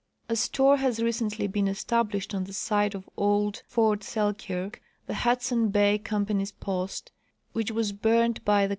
A store has recently been established on the site of old fort Selkirk, the Hudson Ba}^ companj^'s post, which was burned by 122 C.